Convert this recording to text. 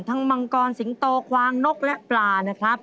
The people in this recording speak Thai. มังกรสิงโตควางนกและปลานะครับ